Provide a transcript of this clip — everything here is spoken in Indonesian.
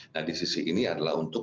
nah di sisi ini adalah untuk